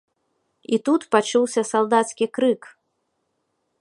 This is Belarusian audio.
І тут пачуўся салдацкі крык.